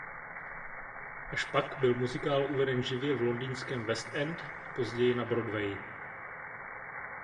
Až pak byl muzikál uveden živě v londýnském West End a později na Broadway.